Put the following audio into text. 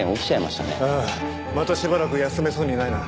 またしばらく休めそうにないな。